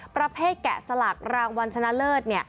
ประเภทแกะสลักรางวัลชนะเลิศ